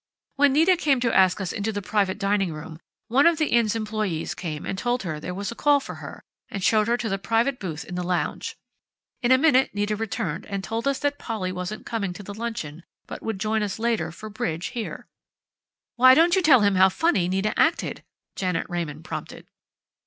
"When Nita came to ask us into the private dining room, one of the Inn's employees came and told her there was a call for her and showed her to the private booth in the lounge. In a minute Nita returned and told us that Polly wasn't coming to the luncheon, but would join us later for bridge here." "Why don't you tell him how funny Nita acted?" Janet Raymond prompted.